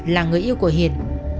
là người yêu của hiền